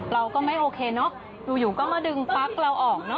เราก็ไม่โอเคเนอะอยู่ก็มาดึงปั๊กเราออกเนอ